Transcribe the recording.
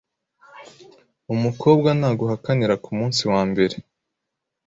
Umukobwa naguhakanira ku munsi wa mbere